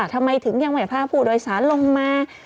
ทำไมถึงเที่ยวใหม่ภาพผู้โดยศาลลงมา